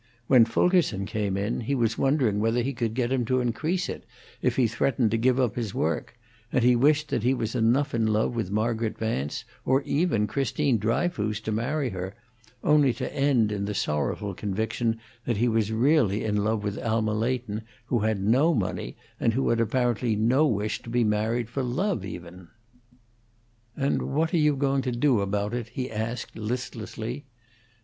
When Fulkerson came in he was wondering whether he could get him to increase it, if he threatened to give up his work, and he wished that he was enough in love with Margaret Vance, or even Christine Dryfoos, to marry her, only to end in the sorrowful conviction that he was really in love with Alma Leighton, who had no money, and who had apparently no wish to be married for love, even. "And what are you going to do about it?" he asked, listlessly.